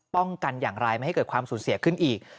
กันอย่างไรไม่ให้เกิดความสูญเสียขึ้นอีก